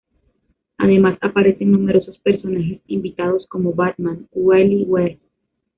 Además, aparecen numerosos personajes invitados, como Batman, Wally West, Dr.